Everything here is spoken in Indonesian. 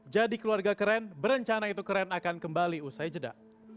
jadi keluarga keren berencana itu keren akan kembali usai jeda